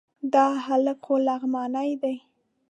دا هلک خو لغمانی دی...